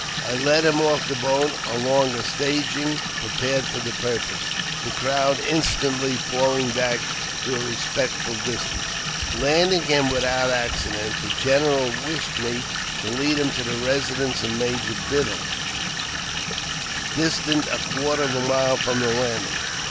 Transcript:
I led him off the boat along a staging prepared for the purpose, the crowd instantly falling back to a respectful distance. Landing him without accident, the general wished me to lead him to the residence of Major Biddle, distant a quarter of a mile from the landing.